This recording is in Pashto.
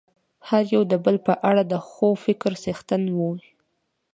هر يو د بل په اړه د ښو فکرونو څښتن وي.